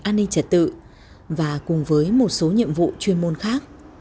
an ninh trật tự và cùng với một số nhiệm vụ chuyên môn khác